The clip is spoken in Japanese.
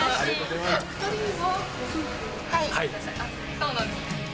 そうなんですね。